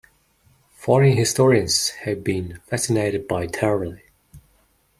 Foreign historians have been fascinated by Tarle.